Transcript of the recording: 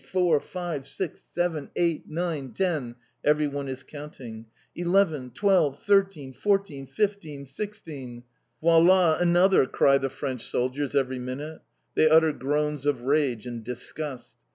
four! five! six! seven! eight! nine! ten! Everyone is counting. Eleven! twelve! thirteen! fourteen! fifteen! sixteen! "Voilà un autre!" cry the French soldiers every minute. They utter groans of rage and disgust.